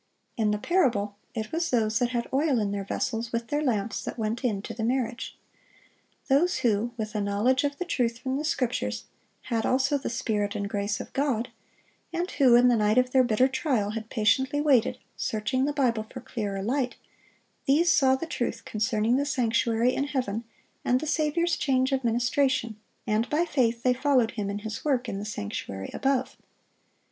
In the parable it was those that had oil in their vessels with their lamps that went in to the marriage. Those who, with a knowledge of the truth from the Scriptures, had also the Spirit and grace of God, and who, in the night of their bitter trial, had patiently waited, searching the Bible for clearer light,—these saw the truth concerning the sanctuary in heaven and the Saviour's change of ministration, and by faith they followed Him in His work in the sanctuary above.